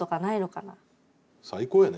最高やね。